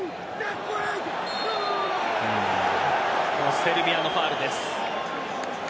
セルビアのファウルです。